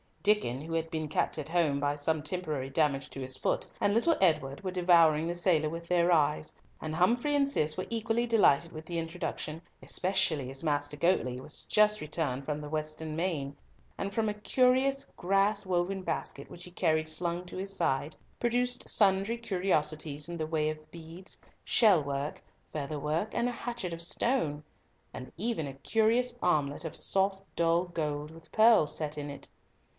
Diccon, who had been kept at home by some temporary damage to his foot, and little Edward were devouring the sailor with their eyes; and Humfrey and Cis were equally delighted with the introduction, especially as Master Goatley was just returned from the Western Main, and from a curious grass woven basket which he carried slung to his side, produced sundry curiosities in the way of beads, shell work, feather work, and a hatchet of stone, and even a curious armlet of soft, dull gold, with pearls set in it.